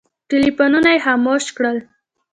ټلفونونه یې خاموش کړل.